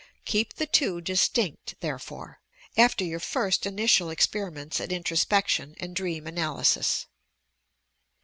Keep the two distinct, therefore, after your first initial experiments at introspection and dream analysis.